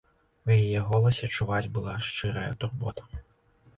У яе голасе чуваць была шчырая турбота.